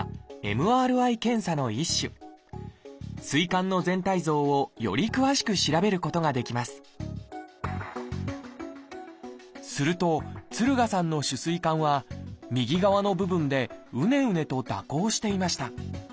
膵管の全体像をより詳しく調べることができますすると敦賀さんの主膵管は右側の部分でうねうねと蛇行していました。